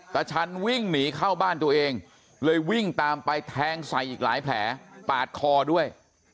ชันวิ่งหนีเข้าบ้านตัวเองเลยวิ่งตามไปแทงใส่อีกหลายแผลปาดคอด้วย